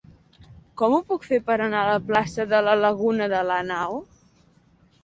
Com ho puc fer per anar a la plaça de la Laguna de Lanao?